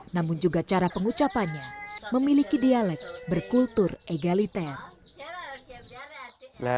namun juga cara pengucapannya memiliki dialek berkultur egaliter